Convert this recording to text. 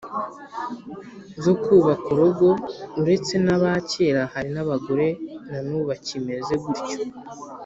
zo kubaka urugo. uretse n’aba kera, hari n’abagore na nubu bakimeze gutyo